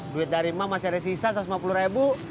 duit dari ma masih ada sisa satu ratus lima puluh ribu